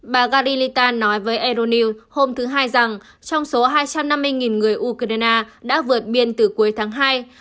bà garilita nói với euronews hôm thứ hai rằng trong số hai trăm năm mươi người ukraine đã vượt biên từ cuối tháng hai